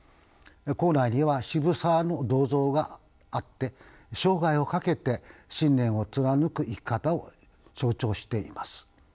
構内には渋沢の銅像があって生涯をかけて信念を貫く生き方を象徴しています。